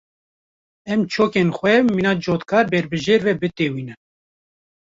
Em çokên xwe mîna cotkar ber bi jêr ve bitewînin.